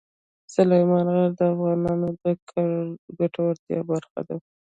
سلیمان غر د افغانانو د ګټورتیا برخه ده.